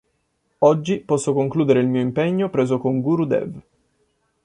Oggi posso concludere il mio impegno preso con Guru Dev.